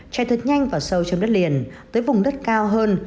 chạy thật nhanh và sâu trong đất liền tới vùng đất cao hơn